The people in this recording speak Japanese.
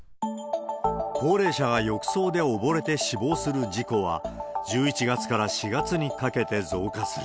高齢者が浴槽で溺れて死亡する事故は、１１月から４月にかけて増加する。